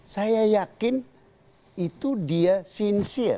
saya yakin itu dia sincir